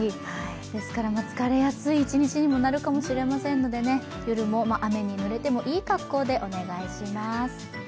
疲れやすい一日になるかもしれませんので、夜も雨にぬれてもいい格好でお願いします。